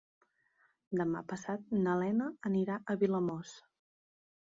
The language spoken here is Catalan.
Demà passat na Lena anirà a Vilamòs.